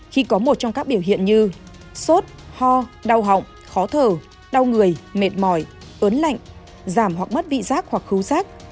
khi có một trong các biểu hiện như sốt ho đau họng khó thở đau người mệt mỏi ớn lạnh giảm hoặc mất vị giác hoặc cứu rác